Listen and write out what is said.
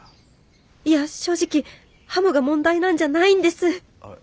いや正直ハムが問題なんじゃないんです！